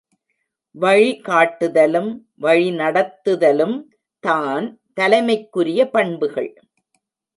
வழிகாட்டுதலும் வழிநடத்துதலும் தான் தலைமைக்குரியப் பண்புகள்.